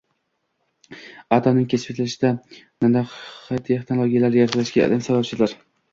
Atomning kashf etilishiga, nanotexnologiyalar yaratilishiga ilm sababchidir